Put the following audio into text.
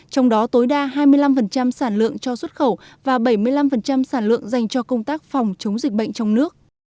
trong đó tối đa hai mươi năm sản lượng cho xuất khẩu và bảy mươi năm sản lượng dành cho công tác phòng chống dịch bệnh trong nước